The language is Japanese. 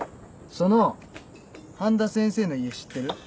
その半田先生の家知ってる？